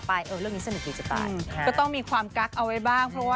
ไม่ไม่มีสเปกค่ะเอาให้คนที่รักเราดูแลเราก็โอเคแล้ว